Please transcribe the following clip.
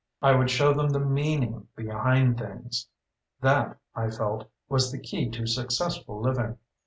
I would show them the meaning behind things. That, I felt, was the key to successful living.